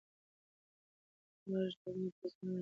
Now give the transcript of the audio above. غږ د ده په زړه کې و.